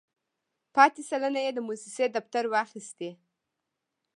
پاتې سلنه یې د موسسې دفتر واخیستې.